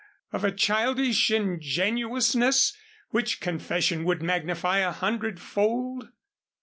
of a childish ingenuousness which confession would magnify a hundred fold.